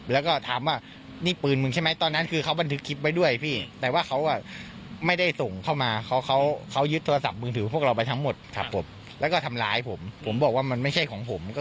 แล้วก็พาไปที่เซฟเฮาส์ก็ทำร้ายต่อครับ